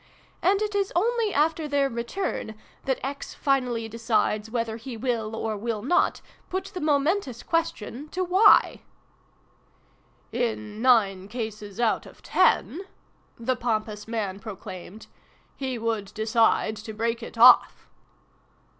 And it is only after their return that X finally decides whether he will, or will not, put the momentous question to F/" "In nine cases out of ten," the pompous man proclaimed, " he would decide to break it off!